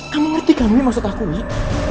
kamu ngerti kan ini maksud aku wih